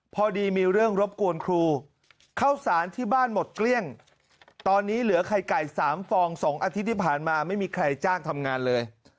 พอดีมีเรื่องรบกวนครูเข้าสารที่บ้านหมดเกลี้ยงตอนนี้เหลือไข่ไก่๓ฟอง๒อาทิตย์ที่ผ่านมาไม่มีใครจ้างทำงานเลย